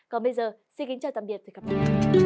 còn bây giờ xin kính chào tạm biệt và hẹn gặp lại